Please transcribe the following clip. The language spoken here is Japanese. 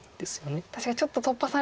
確かにちょっと突破されましたね